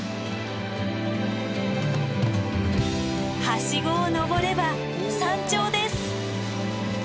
はしごを登れば山頂です！